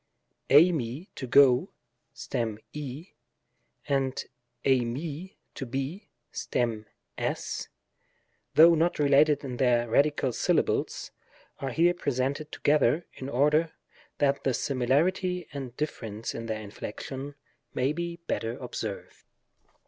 jE///^, "to go" (stem ^), and dfii^ "to be" (stem f^), though not related in their radical syllables, are here presented together, in order that the simaarity and diflference in their inflection may be better ob served.